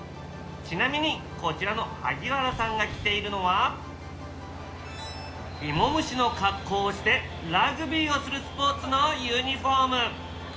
ちなみにこちらの萩原さんが着ているのは芋虫の格好をしてラグビーをするスポーツのユニフォーム。